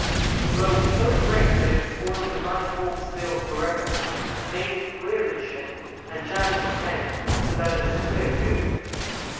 The blow was so great that it spoiled the Night hawk's bill, forever made it queer in shape, and jammed his head, so that it is queer, too.